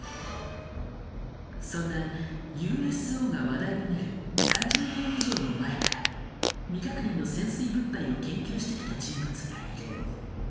そんなＵＳＯが話題になる３０年以上も前から未確認の潜水物体を研究してきた人物がいる。